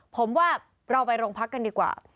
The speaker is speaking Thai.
ผมว่าเราไปโรงพักกันดีกว่า